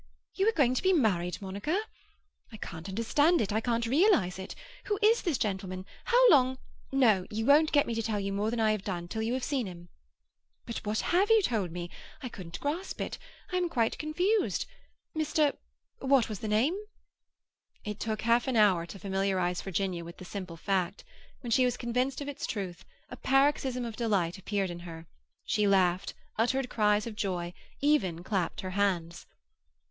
You are going to be married, Monica? I can't understand it. I can't realize it. Who is this gentleman? How long—" "No; you won't get me to tell you more than I have done, till you have seen him." "But what have you told me? I couldn't grasp it. I am quite confused. Mr.—what was the name?" It took half an hour to familiarize Virginia with the simple fact. When she was convinced of its truth, a paroxysm of delight appeared in her. She laughed, uttered cries of joy, even clapped her hands.